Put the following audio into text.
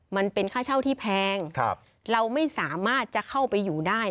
มันเป็นค่าเช่าที่แพงเราไม่สามารถจะเข้าไปอยู่ได้